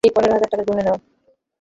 এই পনেরো হজোর টাকা গুনে নাও।